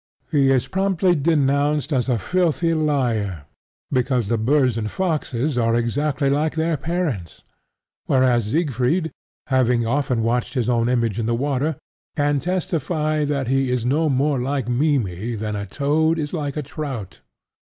He is promptly denounced as a filthy liar, because the birds and foxes are exactly like their parents, whereas Siegfried, having often watched his own image in the water, can testify that he is no more like Mimmy than a toad is like a trout.